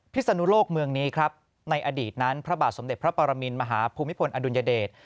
ศนุโลกเมืองนี้ครับในอดีตนั้นพระบาทสมเด็จพระปรมินมหาภูมิพลอดุลยเดช